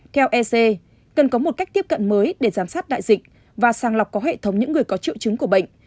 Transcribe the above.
theo ec cần có một cách tiếp cận mới để giám sát đại dịch và sàng lọc có hệ thống những người có triệu chứng của bệnh